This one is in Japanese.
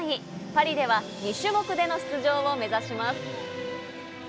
パリでは２種目での出場を目指します。